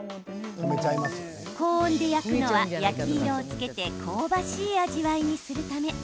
高温で焼くのは、焼き色をつけて香ばしい味わいにするため。